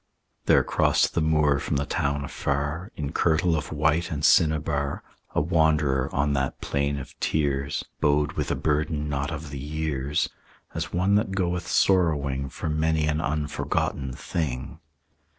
There crossed the moor from the town afar, In kirtle of white and cinnabar, A wanderer on that plain of tears, Bowed with a burden not of the years, As one that goeth sorrowing For many an unforgotten thing.